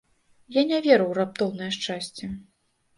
Я не веру ў раптоўнае шчасце.